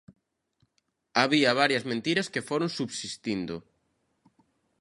Había varias mentiras que foron subsistindo.